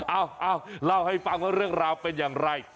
เอ้าเล่าให้ฟังว่าเรื่องราวเป็นอย่างไร